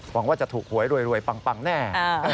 หวังว่าจะถูกหวยรวยปังแน่